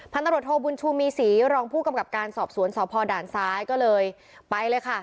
ตำรวจโทบุญชูมีศรีรองผู้กำกับการสอบสวนสพด่านซ้ายก็เลยไปเลยค่ะ